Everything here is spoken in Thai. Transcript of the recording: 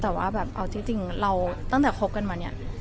แต่ว่าอาจารย์ที่จริงอ่ะเราตั้งแต่คบกันมาเนี่ย